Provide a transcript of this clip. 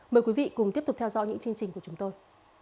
mời quý vị cùng tiếp tục theo dõi những chương trình của chúng tôi